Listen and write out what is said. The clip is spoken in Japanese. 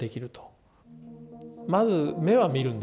まず目を見るんですよ。